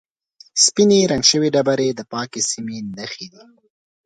سپینې رنګ شوې ډبرې د پاکې سیمې نښې دي.